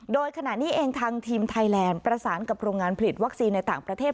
โดยขณะนี้เองทางทีมไทยแลนด์ประสานกับโรงงานผลิตวัคซีนในต่างประเทศ